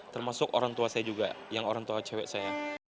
termasuk orang tua saya juga yang orang tua cewek saya